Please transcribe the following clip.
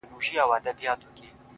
• زلزله به یې په کور کي د دښمن سي,